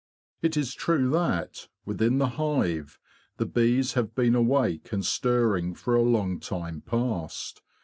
It is true that, within the hive, the bees have been awake and stir ring for a long time past.